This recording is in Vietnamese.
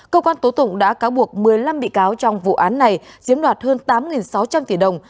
cơ quan tố tụng đã cáo buộc một mươi năm bị cáo trong vụ án này chiếm đoạt hơn tám sáu trăm linh tỷ đồng